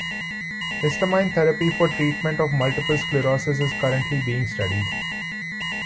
Histamine therapy for treatment of multiple sclerosis is currently being studied.